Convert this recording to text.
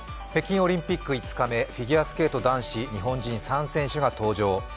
北京オリンピック５日目、フィギュアスケート男子、日本人３選手が登場。